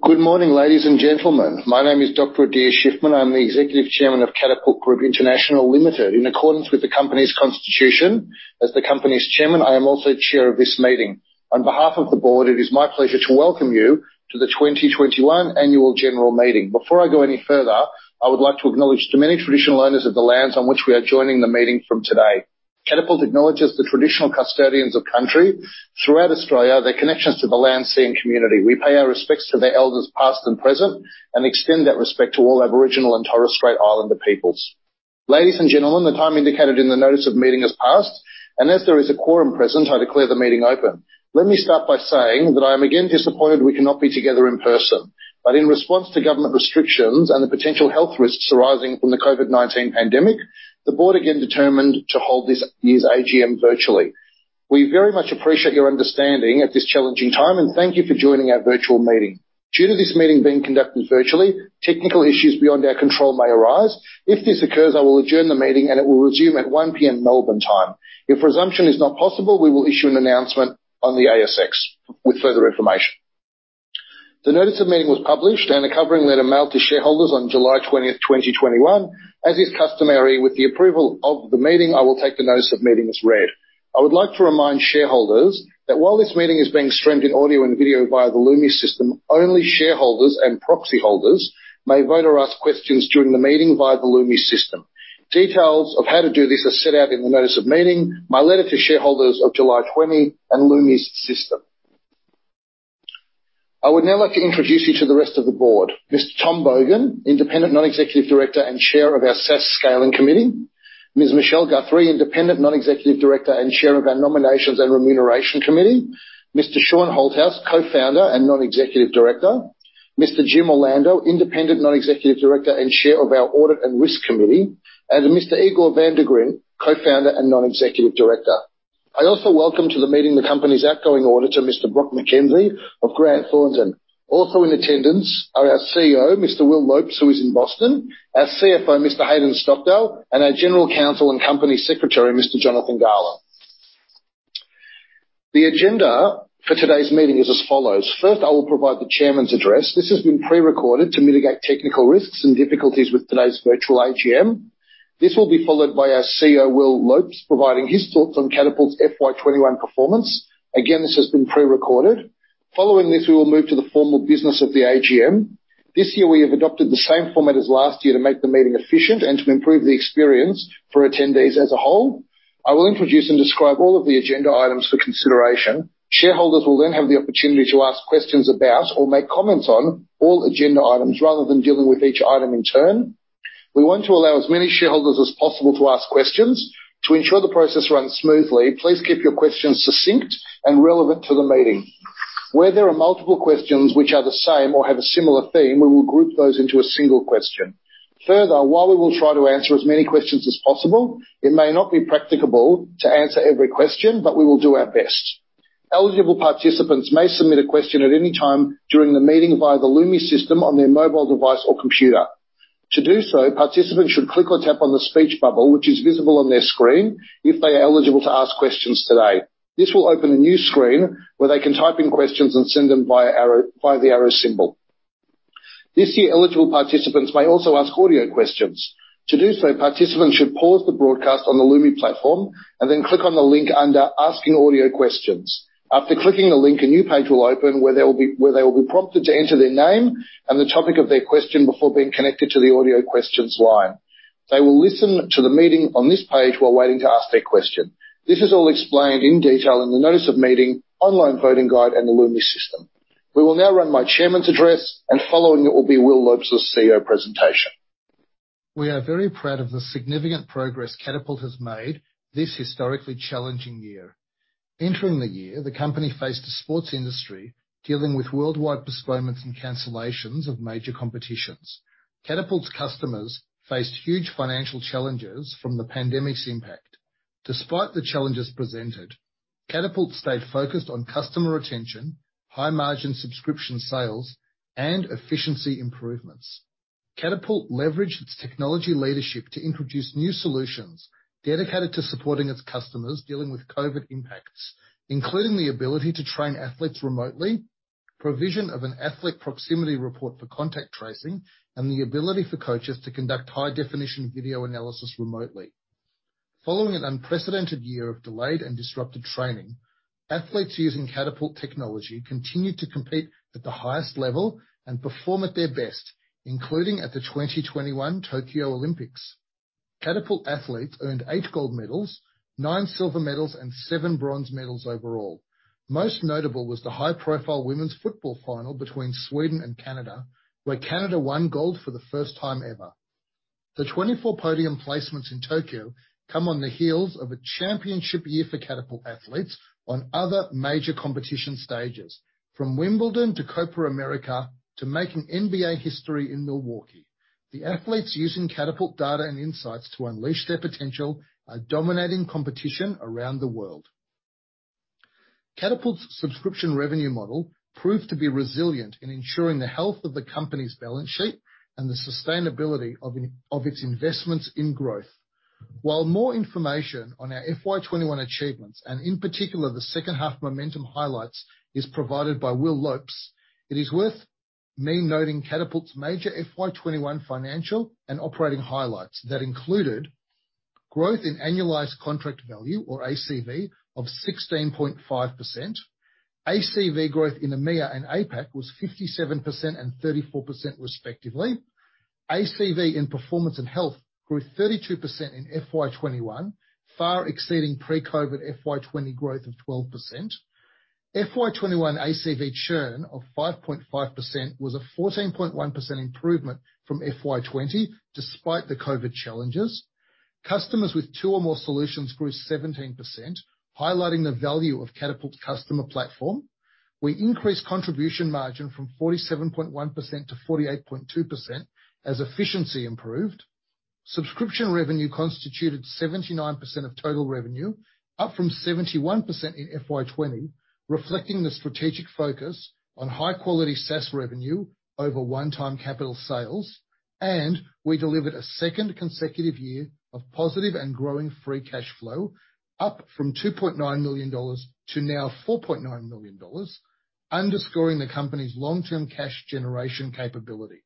Good morning, ladies and gentlemen. My name is Dr. Adir Shiffman. I'm the Executive Chairman of Catapult Group International Limited. In accordance with the company's constitution, as the company's chairman, I am also chair of this meeting. On behalf of the board, it is my pleasure to welcome you to the 2021 Annual General Meeting. Before I go any further, I would like to acknowledge the many traditional owners of the lands on which we are joining the meeting from today. Catapult acknowledges the traditional custodians of country throughout Australia, their connections to the land, sea, and community. We pay our respects to their elders past and present, and extend that respect to all Aboriginal and Torres Strait Islander peoples. Ladies and gentlemen, the time indicated in the notice of meeting has passed, and as there is a quorum present, I declare the meeting open. Let me start by saying that I am again disappointed we cannot be together in person. In response to government restrictions and the potential health risks arising from the COVID-19 pandemic, the board again determined to hold this year's AGM virtually. We very much appreciate your understanding at this challenging time. Thank you for joining our virtual meeting. Due to this meeting being conducted virtually, technical issues beyond our control may arise. If this occurs, I will adjourn the meeting. It will resume at 1:00 P.M. Melbourne time. If resumption is not possible, we will issue an announcement on the ASX with further information. The notice of meeting was published and a covering letter mailed to shareholders on July 20th, 2021. As is customary with the approval of the meeting, I will take the notice of meeting as read. I would like to remind shareholders that while this meeting is being streamed in audio and video via the Lumi system, only shareholders and proxy holders may vote or ask questions during the meeting via the Lumi system. Details of how to do this are set out in the notice of meeting, my letter to shareholders of July 20, and Lumi's system. I would now like to introduce you to the rest of the board. Mr. Tom Bogan, independent non-executive director and chair of our SaaS Scaling Committee. Ms. Michelle Guthrie, independent non-executive director and chair of our Nomination and Remuneration Committee. Mr. Shaun Holthouse, co-founder and non-executive director. Mr. James Orlando, independent non-executive director and chair of our Audit and Risk Committee. And Mr. Igor van de Griendt, co-founder and non-executive director. I also welcome to the meeting the company's outgoing auditor, Mr. Brock Mackenzie of Grant Thornton. In attendance are our CEO, Mr. Will Lopes, who is in Boston, our CFO, Mr. Hayden Stockdale, and our General Counsel and Company Secretary, Mr. Jonathan Garland. The agenda for today's meeting is as follows. First, I will provide the Chairman's address. This has been pre-recorded to mitigate technical risks and difficulties with today's virtual AGM. This will be followed by our CEO, Will Lopes, providing his thoughts on Catapult's FY 2021 performance. Again, this has been pre-recorded. Following this, we will move to the formal business of the AGM. This year, we have adopted the same format as last year to make the meeting efficient and to improve the experience for attendees as a whole. I will introduce and describe all of the agenda items for consideration. Shareholders will then have the opportunity to ask questions about or make comments on all agenda items, rather than dealing with each item in turn. We want to allow as many shareholders as possible to ask questions. To ensure the process runs smoothly, please keep your questions succinct and relevant to the meeting. Where there are multiple questions which are the same or have a similar theme, we will group those into a single question. Further, while we will try to answer as many questions as possible, it may not be practicable to answer every question, but we will do our best. Eligible participants may submit a question at any time during the meeting via the Lumi system on their mobile device or computer. To do so, participants should click or tap on the speech bubble, which is visible on their screen, if they are eligible to ask questions today. This will open a new screen where they can type in questions and send them via arrow, via the arrow symbol. This year, eligible participants may also ask audio questions. To do so, participants should pause the broadcast on the Lumi platform and then click on the link under Asking Audio Questions. After clicking the link, a new page will open where they will be prompted to enter their name and the topic of their question before being connected to the audio questions line. They will listen to the meeting on this page while waiting to ask their question. This is all explained in detail in the notice of meeting, online voting guide, and the Lumi system. We will now run my Chairman's address, and following it will be Will Lopes' CEO presentation. We are very proud of the significant progress Catapult has made this historically challenging year. Entering the year, the company faced a sports industry dealing with worldwide postponements and cancellations of major competitions. Catapult's customers faced huge financial challenges from the pandemic's impact. Despite the challenges presented, Catapult stayed focused on customer retention, high-margin subscription sales, and efficiency improvements. Catapult leveraged its technology leadership to introduce new solutions dedicated to supporting its customers dealing with COVID impacts, including the ability to train athletes remotely, provision of an athlete proximity report for contact tracing, and the ability for coaches to conduct high-definition video analysis remotely. Following an unprecedented year of delayed and disrupted training, athletes using Catapult Technology continued to compete at the highest level and perform at their best, including at the 2021 Tokyo Olympics. Catapult athletes earned eight gold medals, nine silver medals, and seven bronze medals overall. Most notable was the high-profile women's football final between Sweden and Canada, where Canada won gold for the first time ever. The 24 podium placements in Tokyo come on the heels of a championship year for Catapult athletes on other major competition stages, from Wimbledon, to Copa América, to making NBA history in Milwaukee. The athletes using Catapult data and insights to unleash their potential are dominating competition around the world. Catapult's subscription revenue model proved to be resilient in ensuring the health of the company's balance sheet and the sustainability of its investments in growth. While more information on our FY 2021 achievements, and in particular the second half momentum highlights, is provided by Will Lopes, it is worth me noting Catapult's major FY 2021 financial and operating highlights that included growth in annualized contract value or ACV of 16.5%. ACV growth in EMEA and APAC was 57% and 34% respectively. ACV in performance and health grew 32% in FY 2021, far exceeding pre-COVID FY 2020 growth of 12%. FY 2021 ACV churn of 5.5% was a 14.1% improvement from FY 2020 despite the COVID challenges. Customers with two or more solutions grew 17%, highlighting the value of Catapult's customer platform. We increased contribution margin from 47.1%-48.2% as efficiency improved. Subscription revenue constituted 79% of total revenue, up from 71% in FY 2020, reflecting the strategic focus on high-quality SaaS revenue over one-time capital sales. We delivered a second consecutive year of positive and growing free cash flow, up from $2.9 million to now $4.9 million, underscoring the company's long-term cash generation capability.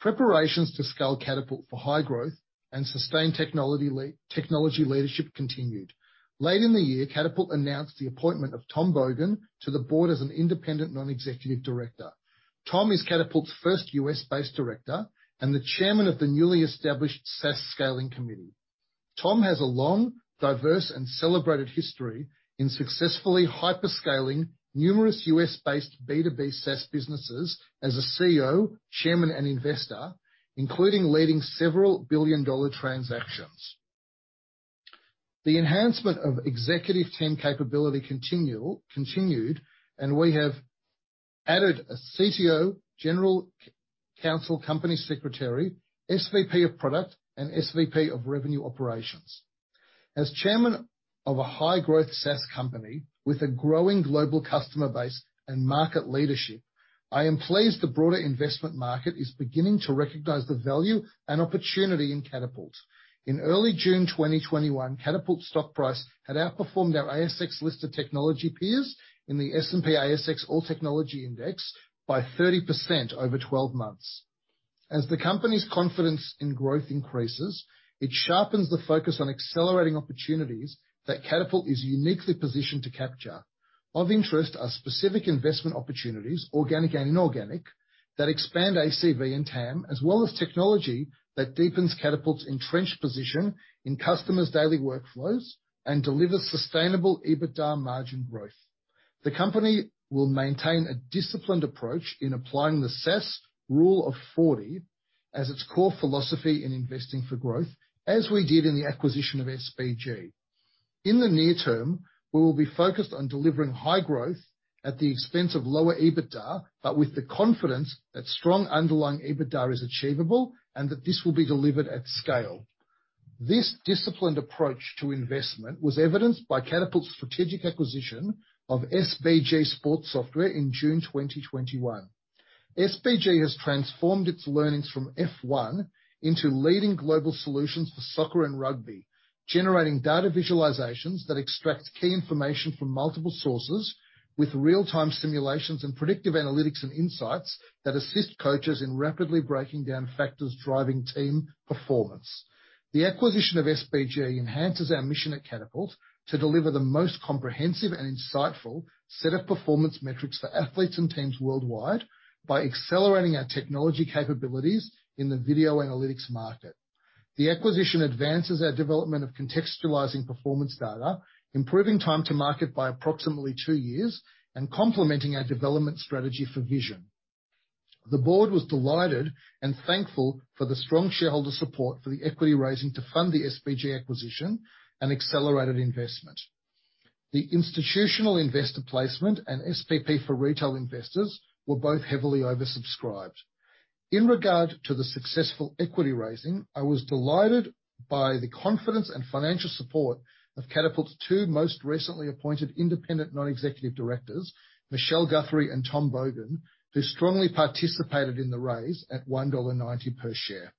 Preparations to scale Catapult for high growth and sustained technology leadership continued. Late in the year, Catapult announced the appointment of Tom Bogan to the board as an Independent Non-Executive Director. Tom is Catapult's first US-based Director and the Chairman of the newly established SaaS Scaling Committee. Tom has a long, diverse, and celebrated history in successfully hyper-scaling numerous US-based B2B SaaS businesses as a CEO, chairman, and investor, including leading several billion-dollar transactions. The enhancement of executive team capability continued, and we have added a CTO, General Counsel, Company Secretary, SVP of Product, and SVP of Revenue Operations. As Chairman of a high-growth SaaS company with a growing global customer base and market leadership, I am pleased the broader investment market is beginning to recognize the value and opportunity in Catapult. In early June 2021, Catapult's stock price had outperformed our ASX list of technology peers in the S&P/ASX All Technology Index by 30% over 12 months. As the company's confidence in growth increases, it sharpens the focus on accelerating opportunities that Catapult is uniquely positioned to capture. Of interest are specific investment opportunities, organic and inorganic, that expand ACV and TAM, as well as technology that deepens Catapult's entrenched position in customers' daily workflows and delivers sustainable EBITDA margin growth. The company will maintain a disciplined approach in applying the SaaS Rule of 40 as its core philosophy in investing for growth, as we did in the acquisition of SBG. In the near term, we will be focused on delivering high growth at the expense of lower EBITDA, but with the confidence that strong underlying EBITDA is achievable and that this will be delivered at scale. This disciplined approach to investment was evidenced by Catapult's strategic acquisition of SBG Sports Software in June 2021. SBG has transformed its learnings from F1 into leading global solutions for soccer and rugby, generating data visualizations that extract key information from multiple sources with real-time simulations and predictive analytics and insights that assist coaches in rapidly breaking down factors driving team performance. The acquisition of SBG enhances our mission at Catapult to deliver the most comprehensive and insightful set of performance metrics for athletes and teams worldwide by accelerating our technology capabilities in the video analytics market. The acquisition advances our development of contextualizing performance data, improving time to market by approximately two years, and complementing our development strategy for Vision. The board was delighted and thankful for the strong shareholder support for the equity raising to fund the SBG acquisition and accelerated investment. The institutional investor placement and SPP for retail investors were both heavily oversubscribed. In regard to the successful equity raising, I was delighted by the confidence and financial support of Catapult's two most recently appointed independent non-executive directors, Michelle Guthrie and Tom Bogan, who strongly participated in the raise at 1.90 dollar per share.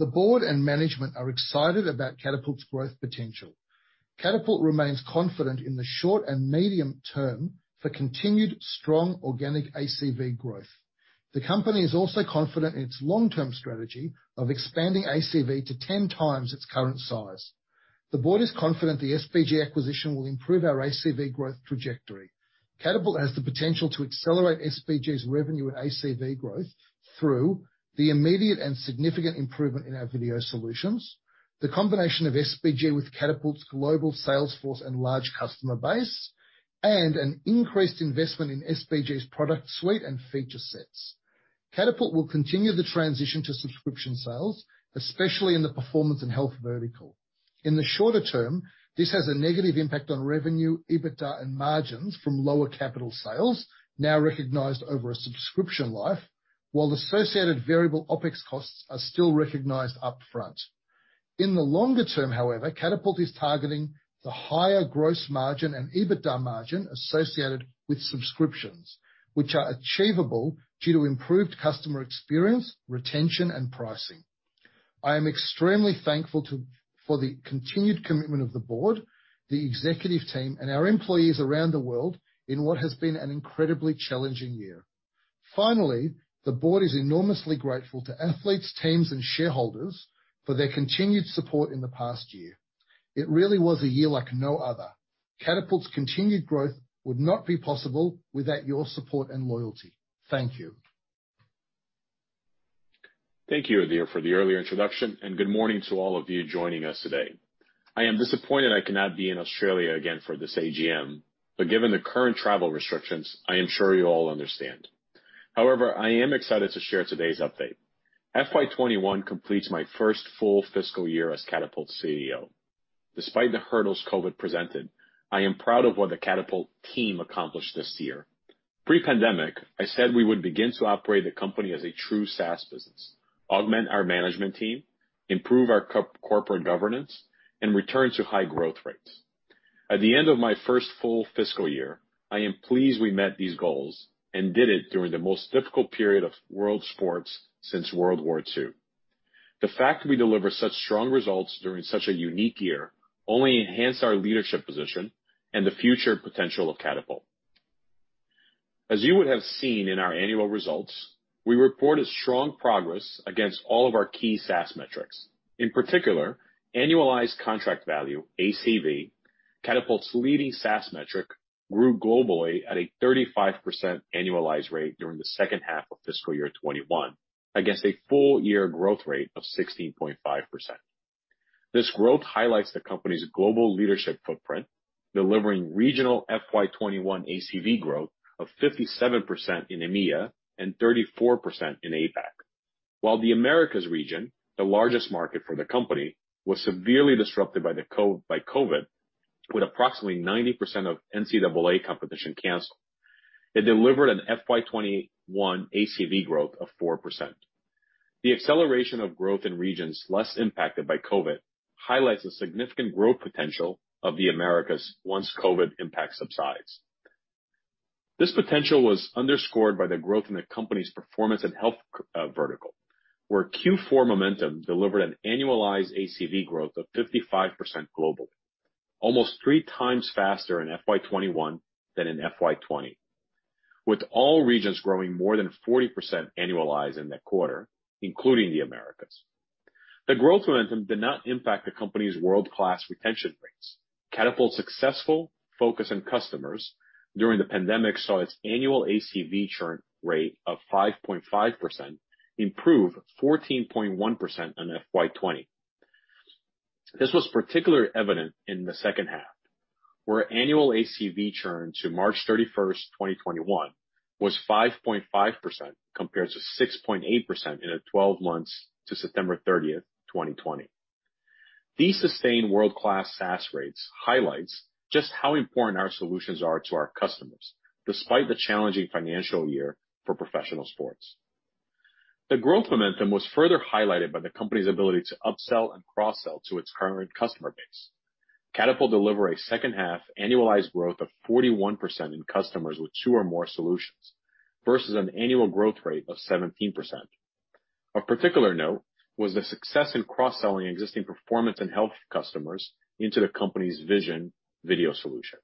The board and management are excited about Catapult's growth potential. Catapult remains confident in the short and medium term for continued strong organic ACV growth. The company is also confident in its long-term strategy of expanding ACV to 10x its current size. The board is confident the SBG acquisition will improve our ACV growth trajectory. Catapult has the potential to accelerate SBG's revenue and ACV growth through the immediate and significant improvement in our video solutions, the combination of SBG with Catapult's global sales force and large customer base, and an increased investment in SBG's product suite and feature sets. Catapult will continue the transition to subscription sales, especially in the performance and health vertical. In the shorter term, this has a negative impact on revenue, EBITDA, and margins from lower capital sales, now recognized over a subscription life, while the associated variable OpEx costs are still recognized up front. In the longer term, however, Catapult is targeting the higher gross margin and EBITDA margin associated with subscriptions, which are achievable due to improved customer experience, retention, and pricing. I am extremely thankful for the continued commitment of the board, the executive team, and our employees around the world in what has been an incredibly challenging year. The board is enormously grateful to athletes, teams, and shareholders for their continued support in the past year. It really was a year like no other. Catapult's continued growth would not be possible without your support and loyalty. Thank you. Thank you, Adir, for the earlier introduction, and good morning to all of you joining us today. I am disappointed I cannot be in Australia again for this AGM, but given the current travel restrictions, I am sure you all understand. However, I am excited to share today's update. FY 2021 completes my first full fiscal year as Catapult's CEO. Despite the hurdles COVID presented, I am proud of what the Catapult team accomplished this year. Pre-pandemic, I said we would begin to operate the company as a true SaaS business, augment our management team, improve our corporate governance, and return to high growth rates. At the end of my first full fiscal year, I am pleased we met these goals and did it during the most difficult period of world sports since World War II. The fact we deliver such strong results during such a unique year only enhanced our leadership position and the future potential of Catapult. As you would have seen in our annual results, we reported strong progress against all of our key SaaS metrics. In particular, annualized contract value, ACV, Catapult's leading SaaS metric, grew globally at a 35% annualized rate during the second half of fiscal year 2021, against a full year growth rate of 16.5%. This growth highlights the company's global leadership footprint, delivering regional FY 2021 ACV growth of 57% in EMEA and 34% in APAC. While the Americas region, the largest market for the company, was severely disrupted by COVID, with approximately 90% of NCAA competition canceled. It delivered an FY 2021 ACV growth of 4%. The acceleration of growth in regions less impacted by COVID highlights the significant growth potential of the Americas once COVID impact subsides. This potential was underscored by the growth in the company's performance and health vertical, where Q4 momentum delivered an annualized ACV growth of 55% globally. Almost 3x faster in FY 2021 than in FY 2020. With all regions growing more than 40% annualized in that quarter, including the Americas. The growth momentum did not impact the company's world-class retention rates. Catapult's successful focus on customers during the pandemic saw its annual ACV churn rate of 5.5% improve 14.1% on FY 2020. This was particularly evident in the second half, where annual ACV churn to March 31st, 2021 was 5.5% compared to 6.8% in the 12 months to September 30th, 2020. These sustained world-class SaaS rates highlights just how important our solutions are to our customers, despite the challenging financial year for professional sports. The growth momentum was further highlighted by the company's ability to upsell and cross-sell to its current customer base. Catapult delivered a second-half annualized growth of 41% in customers with two or more solutions versus an annual growth rate of 17%. Of particular note was the success in cross-selling existing performance and health customers into the company's Vision video solution.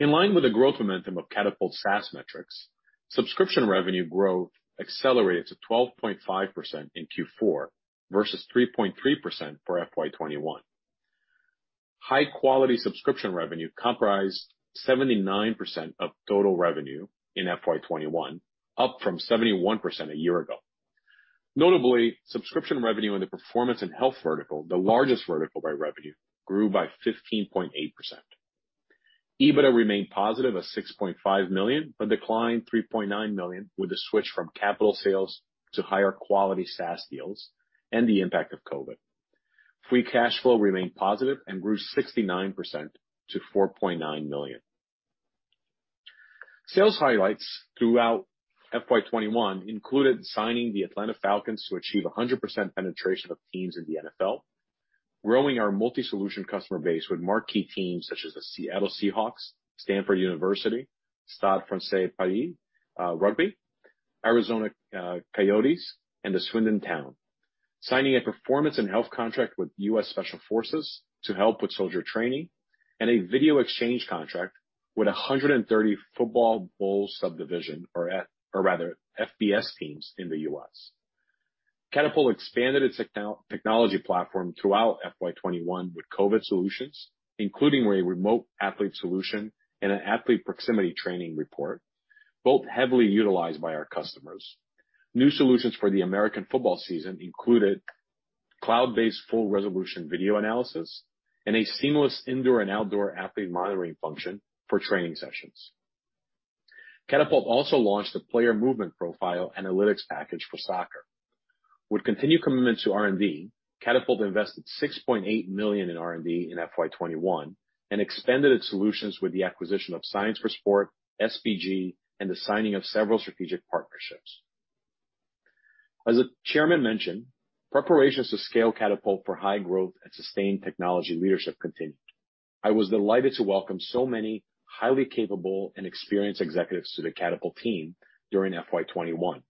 In line with the growth momentum of Catapult's SaaS metrics, subscription revenue growth accelerated to 12.5% in Q4 versus 3.3% for FY 2021. High-quality subscription revenue comprised 79% of total revenue in FY 2021, up from 71% a year ago. Notably, subscription revenue in the performance and health vertical, the largest vertical by revenue, grew by 15.8%. EBITDA remained positive at 6.5 million, but declined 3.9 million with the switch from capital sales to higher quality SaaS deals and the impact of COVID-19. Free cash flow remained positive and grew 69% to 4.9 million. Sales highlights throughout FY 2021 included signing the Atlanta Falcons to achieve 100% penetration of teams in the NFL, growing our multi-solution customer base with marquee teams such as the Seattle Seahawks, Stanford University, Stade Français Paris Rugby, Arizona Coyotes, and the Swindon Town. Signing a performance and health contract with US Special Forces to help with soldier training, and a video exchange contract with 130 Football Bowl Subdivision or rather FBS teams in the U.S. Catapult expanded its technology platform throughout FY 2021 with COVID-19 solutions, including a remote athlete solution and an athlete proximity training report, both heavily utilized by our customers. New solutions for the American football season included cloud-based full resolution video analysis and a seamless indoor and outdoor athlete monitoring function for training sessions. Catapult also launched a player Movement Profile analytics package for soccer. With continued commitment to R&D, Catapult invested 6.8 million in R&D in FY 2021 and expanded its solutions with the acquisition of Science for Sport, SBG, and the signing of several strategic partnerships. As the Chairman mentioned, preparations to scale Catapult for high growth and sustained technology leadership continued. I was delighted to welcome so many highly capable and experienced executives to the Catapult team during FY 2021,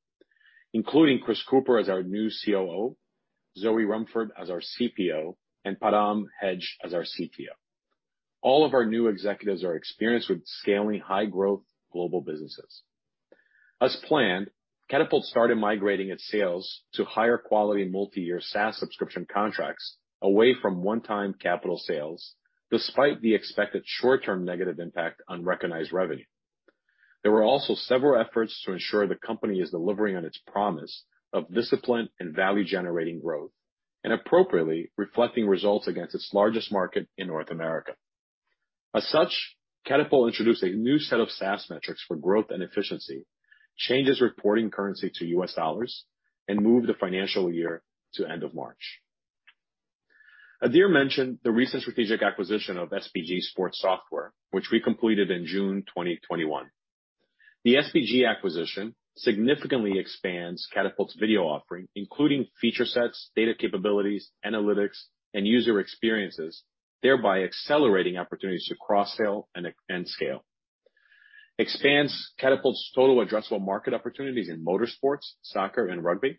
including Chris Cooper as our new COO, Zoe Rumford as our CPO, and Param Hegde as our CTO. All of our new executives are experienced with scaling high-growth global businesses. As planned, Catapult started migrating its sales to higher quality multi-year SaaS subscription contracts away from one-time capital sales, despite the expected short-term negative impact on recognized revenue. There were also several efforts to ensure the company is delivering on its promise of discipline and value-generating growth and appropriately reflecting results against its largest market in North America. Catapult introduced a new set of SaaS metrics for growth and efficiency, changes reporting currency to US dollars, and moved the financial year to end of March. Adir mentioned the recent strategic acquisition of SBG Sports Software, which we completed in June 2021. The SBG acquisition significantly expands Catapult's video offering, including feature sets, data capabilities, analytics, and user experiences, thereby accelerating opportunities to cross-sell and scale. Expands Catapult's total addressable market opportunities in motorsports, soccer, and rugby.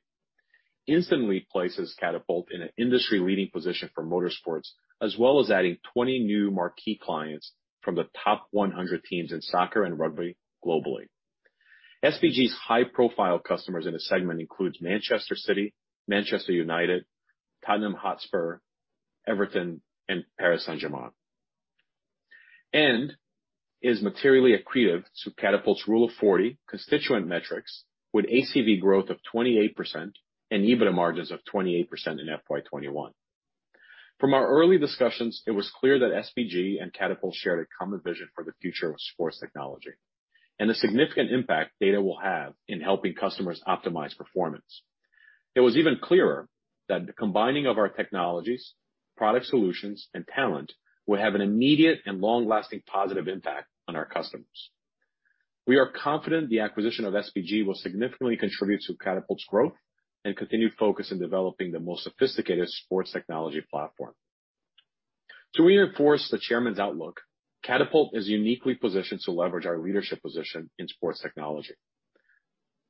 Instantly places Catapult in an industry-leading position for motorsports, as well as adding 20 new marquee clients from the top 100 teams in soccer and rugby globally. SBG's high-profile customers in the segment includes Manchester City, Manchester United, Tottenham Hotspur, Everton, and Paris Saint-Germain. Is materially accretive to Catapult's Rule of 40 constituent metrics with ACV growth of 28% and EBITDA margins of 28% in FY 2021. From our early discussions, it was clear that SBG and Catapult shared a common vision for the future of sports technology and the significant impact data will have in helping customers optimize performance. It was even clearer that the combining of our technologies, product solutions, and talent would have an immediate and long-lasting positive impact on our customers. We are confident the acquisition of SBG will significantly contribute to Catapult's growth and continued focus in developing the most sophisticated sports technology platform. To reinforce the chairman's outlook, Catapult is uniquely positioned to leverage our leadership position in sports technology.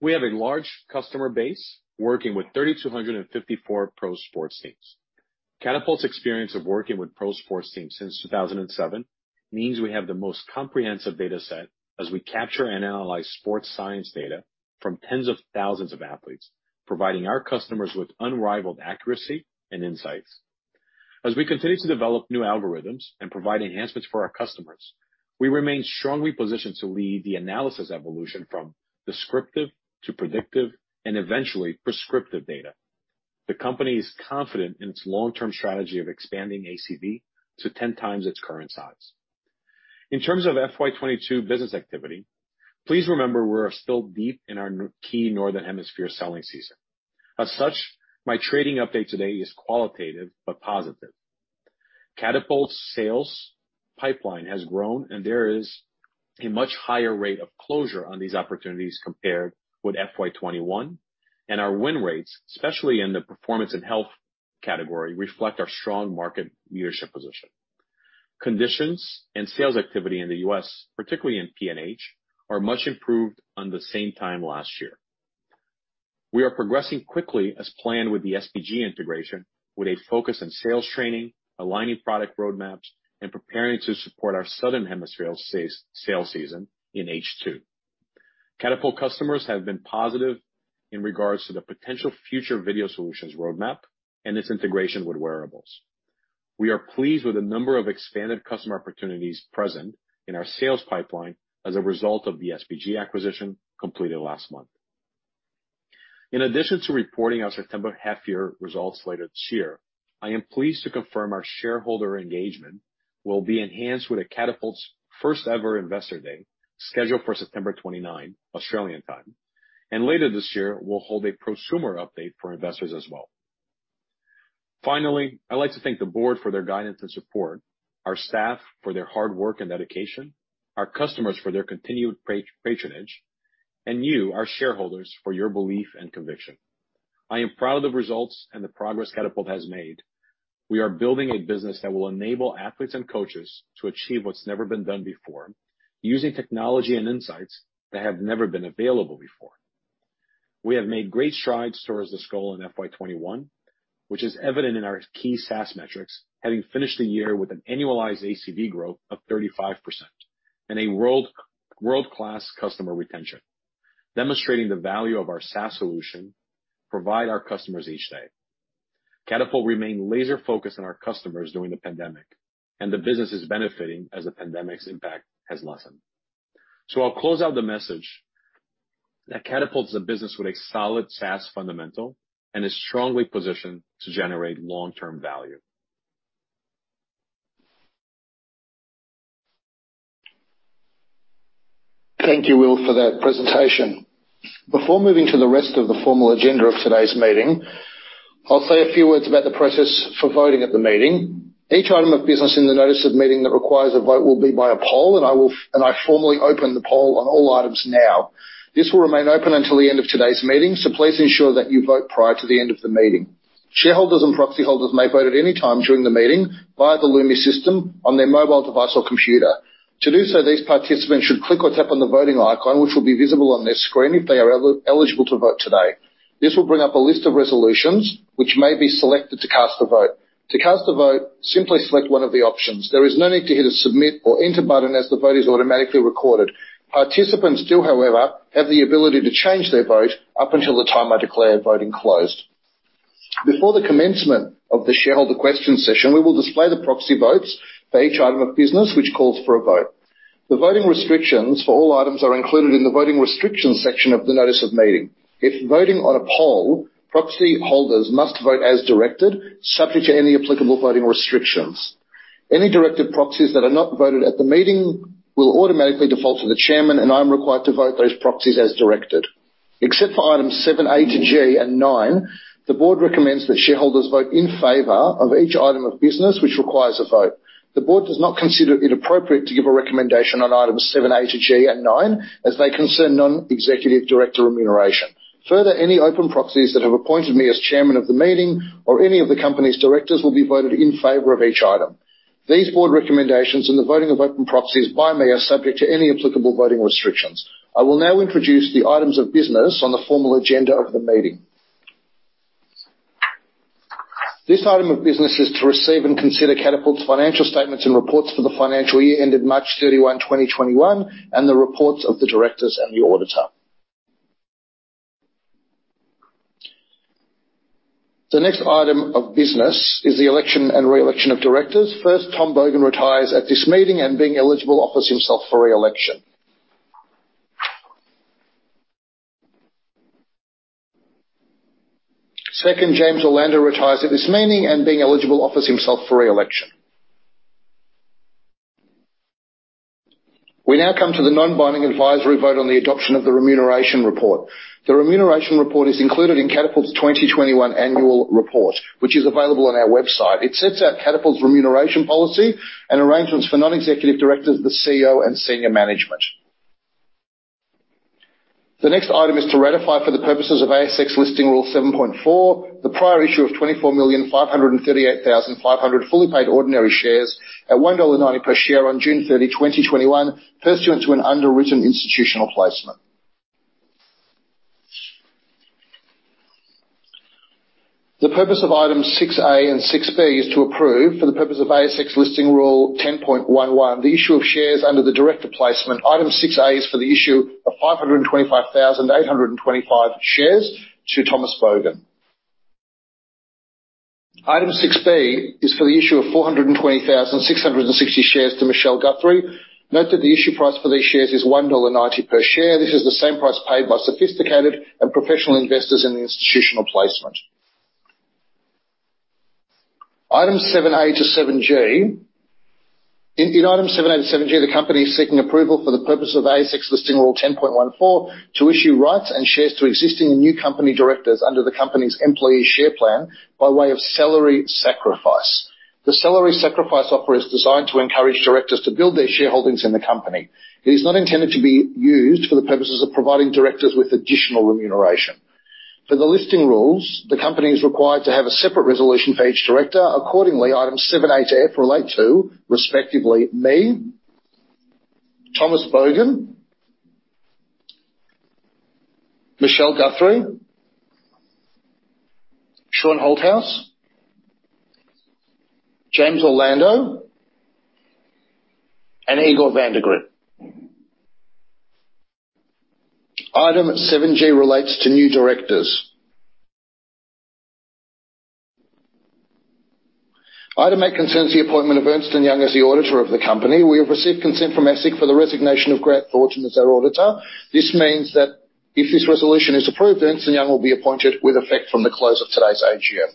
We have a large customer base working with 3,254 pro sports teams. Catapult's experience of working with pro sports teams since 2007 means we have the most comprehensive data set as we capture and analyze sports science data from tens of thousands of athletes, providing our customers with unrivaled accuracy and insights. As we continue to develop new algorithms and provide enhancements for our customers, we remain strongly positioned to lead the analysis evolution from descriptive to predictive and eventually prescriptive data. The company is confident in its long-term strategy of expanding ACV to 10x its current size. In terms of FY 2022 business activity, please remember we're still deep in our Northern Hemisphere selling season. My trading update today is qualitative but positive. Catapult's sales pipeline has grown, and there is a much higher rate of closure on these opportunities compared with FY 2021, and our win rates, especially in the performance and health category, reflect our strong market leadership position. Conditions and sales activity in the U.S., particularly in P&H, are much improved on the same time last year. We are progressing quickly as planned with the SBG integration, with a focus on sales training, aligning product roadmaps, and preparing to support our Southern Hemisphere sales season in H2. Catapult customers have been positive in regards to the potential future video solutions roadmap and its integration with wearables. We are pleased with the number of expanded customer opportunities present in our sales pipeline as a result of the SBG acquisition completed last month. In addition to reporting our September half-year results later this year, I am pleased to confirm our shareholder engagement will be enhanced with a Catapult's first-ever investor day, scheduled for September 29, Australian time. Later this year, we'll hold a prosumer update for investors as well. Finally, I'd like to thank the board for their guidance and support, our staff for their hard work and dedication, our customers for their continued patronage, and you, our shareholders, for your belief and conviction. I am proud of the results and the progress Catapult has made. We are building a business that will enable athletes and coaches to achieve what's never been done before using technology and insights that have never been available before. We have made great strides towards this goal in FY 2021, which is evident in our key SaaS metrics, having finished the year with an annualized ACV growth of 35% and a world-class customer retention, demonstrating the value of our SaaS solution provide our customers each day. Catapult remained laser-focused on our customers during the pandemic, and the business is benefiting as the pandemic's impact has lessened. I'll close out the message that Catapult is a business with a solid SaaS fundamental and is strongly positioned to generate long-term value. Thank you, Will, for that presentation. Before moving to the rest of the formal agenda of today's meeting, I'll say a few words about the process for voting at the meeting. Each item of business in the notice of meeting that requires a vote will be by a poll. I will formally open the poll on all items now. This will remain open until the end of today's meeting. Please ensure that you vote prior to the end of the meeting. Shareholders and proxy holders may vote at any time during the meeting via the Lumi system on their mobile device or computer. To do so, these participants should click or tap on the Voting icon, which will be visible on their screen if they are eligible to vote today. This will bring up a list of resolutions which may be selected to cast a vote. To cast a vote, simply select one of the options. There is no need to hit a Submit or Enter button, as the vote is automatically recorded. Participants do, however, have the ability to change their vote up until the time I declare voting closed. Before the commencement of the shareholder question session, we will display the proxy votes for each item of business which calls for a vote. The voting restrictions for all items are included in the Voting Restrictions section of the notice of meeting. If voting on a poll, proxy holders must vote as directed, subject to any applicable voting restrictions. Any directed proxies that are not voted at the meeting will automatically default to the chairman, and I'm required to vote those proxies as directed. Except for items 7A to G and 9, the board recommends that shareholders vote in favor of each item of business which requires a vote. The board does not consider it appropriate to give a recommendation on items 7A to G and 9, as they concern Non-Executive Director remuneration. Any open proxies that have appointed me as Chairman of the meeting or any of the company's directors will be voted in favor of each item. These board recommendations and the voting of open proxies by me are subject to any applicable voting restrictions. I will now introduce the items of business on the formal agenda of the meeting. This item of business is to receive and consider Catapult's financial statements and reports for the financial year ended March 31, 2021, and the reports of the directors and the auditor. The next item of business is the election and re-election of directors. First, Tom Bogan retires at this meeting and, being eligible, offers himself for re-election. Second, James Orlando retires at this meeting and, being eligible, offers himself for re-election. We now come to the non-binding advisory vote on the adoption of the Remuneration Report. The Remuneration Report is included in Catapult's 2021 annual report, which is available on our website. It sets out Catapult's remuneration policy and arrangements for non-executive directors, the CEO, and senior management. The next item is to ratify, for the purposes of ASX Listing Rule 7.4, the prior issue of 24,538,500 fully paid ordinary shares at 1.90 dollar per share on June 30, 2021, pursuant to an underwritten institutional placement. The purpose of Items 6A and 6B is to approve, for the purpose of ASX Listing Rule 10.11, the issue of shares under the director placement. Item 6A is for the issue of 525,825 shares to Tom Bogan. Item 6B is for the issue of 420,660 shares to Michelle Guthrie. Note that the issue price for these shares is 1.90 dollar per share. This is the same price paid by sophisticated and professional investors in the institutional placement. Items 7A to 7G. In items 7A to 7G, the company is seeking approval for the purpose of ASX Listing Rule 10.14 to issue rights and shares to existing and new company directors under the company's employee share plan by way of salary sacrifice. The salary sacrifice offer is designed to encourage directors to build their shareholdings in the company. It is not intended to be used for the purposes of providing directors with additional remuneration. For the listing rules, the company is required to have a separate resolution for each director. Accordingly, items 7A to F relate to, respectively, me, Thomas Bogan, Michelle Guthrie, Shaun Holthouse, James Orlando, and Igor van de Griendt. Item 7G relates to new directors. Item 8 concerns the appointment of Ernst & Young as the auditor of the company. We have received consent from ASIC for the resignation of Grant Thornton as our auditor. This means that if this resolution is approved, Ernst & Young will be appointed with effect from the close of today's AGM.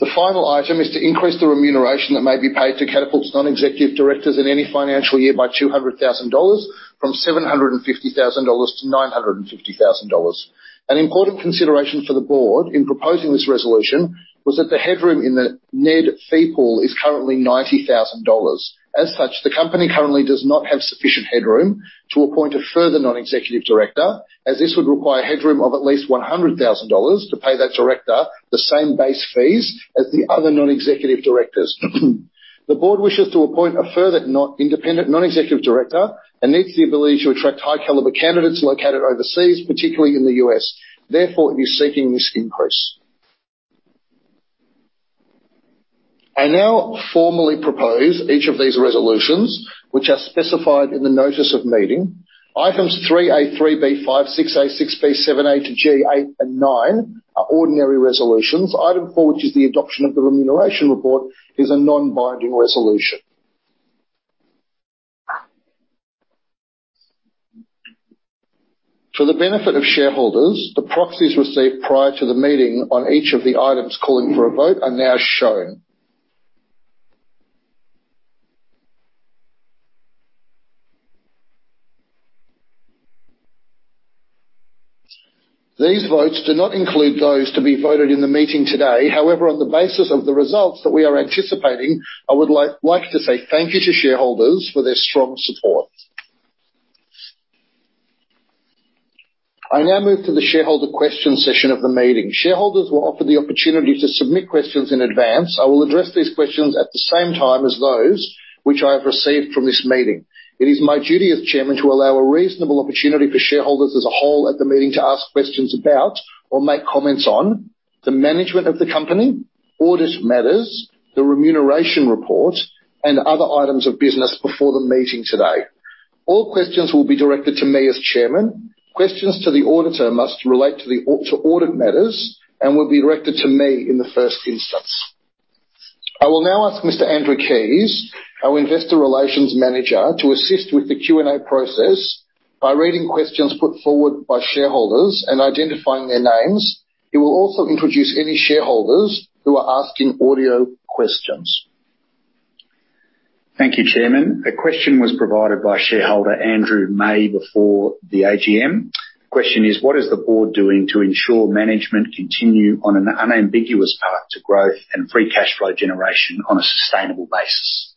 The final item is to increase the remuneration that may be paid to Catapult's non-executive directors in any financial year by 200,000 dollars from 750,000 dollars to 950,000 dollars. An important consideration for the board in proposing this resolution was that the headroom in the NED fee pool is currently 90,000 dollars. As such, the company currently does not have sufficient headroom to appoint a further non-executive director, as this would require headroom of at least 100,000 dollars to pay that director the same base fees as the other non-executive directors. The board wishes to appoint a further independent non-executive director and needs the ability to attract high-caliber candidates located overseas, particularly in the U.S. Therefore, it is seeking this increase. I now formally propose each of these resolutions, which are specified in the notice of meeting. Items 3A, 3B, 5, 6A, 6B, 7A to G, 8, and 9 are ordinary resolutions. Item 4, which is the adoption of the remuneration report, is a non-binding resolution. For the benefit of shareholders, the proxies received prior to the meeting on each of the items calling for a vote are now shown. These votes do not include those to be voted in the meeting today. On the basis of the results that we are anticipating, I would like to say thank you to shareholders for their strong support. I now move to the shareholder question session of the meeting. Shareholders were offered the opportunity to submit questions in advance. I will address these questions at the same time as those which I have received from this meeting. It is my duty as chairman to allow a reasonable opportunity for shareholders as a whole at the meeting to ask questions about or make comments on the management of the company, audit matters, the remuneration report, and other items of business before the meeting today. All questions will be directed to me as chairman. Questions to the audit matters and will be directed to me in the first instance. I will now ask Mr. Andrew Keys, our Investor Relations Manager, to assist with the Q&A process by reading questions put forward by shareholders and identifying their names. He will also introduce any shareholders who are asking audio questions. Thank you, Chairman. A question was provided by shareholder Andrew May before the AGM. Question is: What is the board doing to ensure management continue on an unambiguous path to growth and free cash flow generation on a sustainable basis?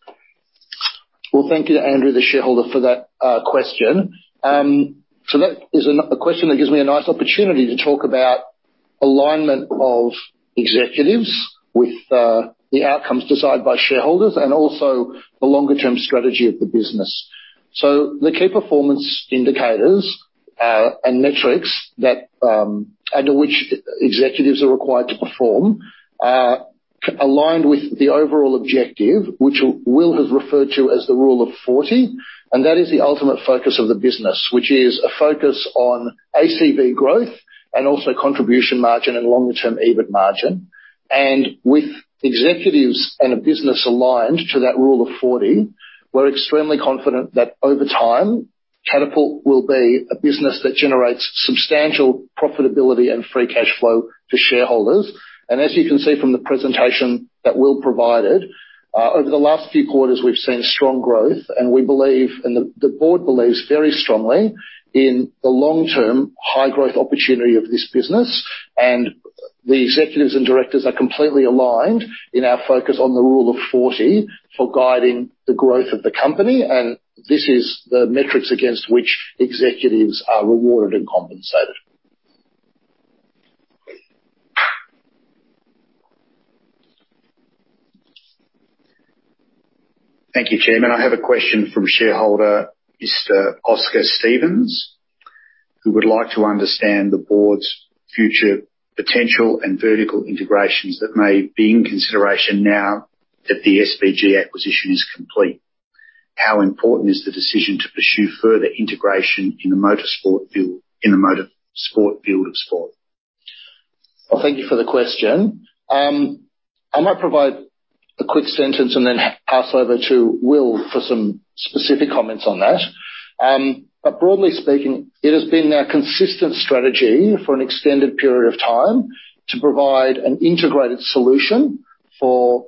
Well, thank you to Andrew, the shareholder, for that question. That is a question that gives me a nice opportunity to talk about alignment of executives with the outcomes desired by shareholders and also the longer-term strategy of the business. The key performance indicators and metrics that under which executives are required to perform are aligned with the overall objective, which Will has referred to as the Rule of 40, and that is the ultimate focus of the business, which is a focus on ACV growth and also contribution margin and longer-term EBIT margin. With executives and a business aligned to that Rule of 40, we're extremely confident that over time, Catapult will be a business that generates substantial profitability and free cash flow to shareholders. As you can see from the presentation that Will provided, over the last few quarters, we've seen strong growth, and we believe, and the board believes very strongly in the long-term high-growth opportunity of this business. The executives and directors are completely aligned in our focus on the Rule of 40 for guiding the growth of the company. This is the metrics against which executives are rewarded and compensated. Thank you, Chairman. I have a question from shareholder Mr. Oscar Stevens, who would like to understand the board's future potential and vertical integrations that may be in consideration now that the SBG acquisition is complete. How important is the decision to pursue further integration in the motorsport field of sport? Well, thank you for the question. I might provide a quick sentence and then pass over to Will for some specific comments on that. Broadly speaking, it has been our consistent strategy for an extended period of time to provide an integrated solution for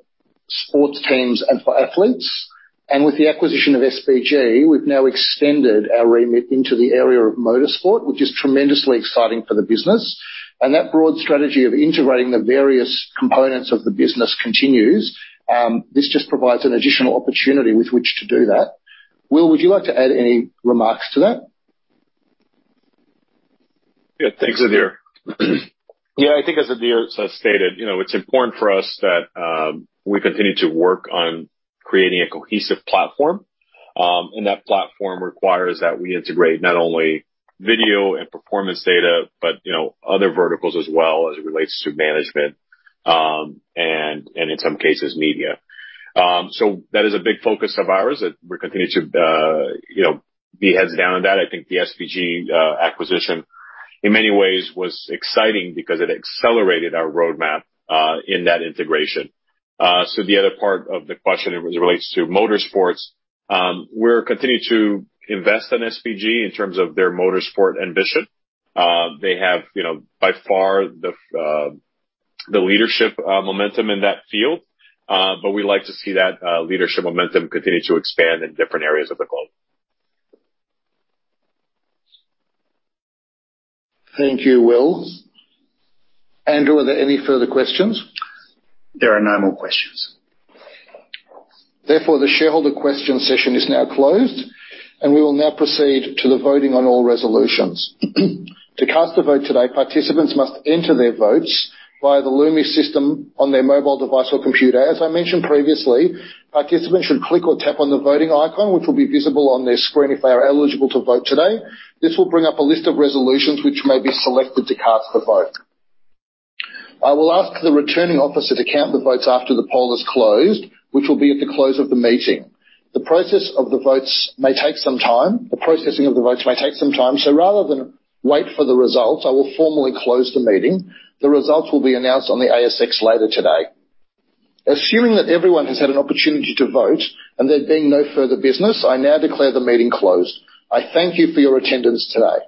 sports teams and for athletes. With the acquisition of SBG, we've now extended our remit into the area of motorsport, which is tremendously exciting for the business. That broad strategy of integrating the various components of the business continues. This just provides an additional opportunity with which to do that. Will, would you like to add any remarks to that? Yeah, thanks, Adir. I think as Adir stated, you know, it's important for us that we continue to work on creating a cohesive platform. That platform requires that we integrate not only video and performance data, but, you know, other verticals as well as it relates to management and in some cases, media. That is a big focus of ours that we're continuing to, you know, be heads down on that. I think the SBG acquisition in many ways was exciting because it accelerated our roadmap in that integration. The other part of the question as it relates to motorsports, we're continuing to invest in SBG in terms of their motorsport ambition. They have, you know, by far the leadership momentum in that field. We like to see that leadership momentum continue to expand in different areas of the globe. Thank you, Will. Andrew, are there any further questions? There are no more questions. The shareholder question session is now closed, and we will now proceed to the voting on all resolutions. To cast a vote today, participants must enter their votes via the Lumi system on their mobile device or computer. As I mentioned previously, participants should click or tap on the voting icon, which will be visible on their screen if they are eligible to vote today. This will bring up a list of resolutions which may be selected to cast the vote. I will ask the returning officer to count the votes after the poll is closed, which will be at the close of the meeting. The process of the votes may take some time. The processing of the votes may take some time, rather than wait for the results, I will formally close the meeting. The results will be announced on the ASX later today. Assuming that everyone has had an opportunity to vote and there being no further business, I now declare the meeting closed. I thank you for your attendance today.